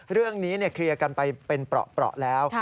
เรื่องนี้เคลียร์กันไปเป็นเปราะแล้ว